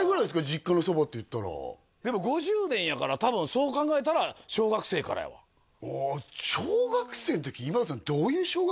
実家のそばっていったらでも５０年やから多分そう考えたら小学生からやわあ小学生の時今田さん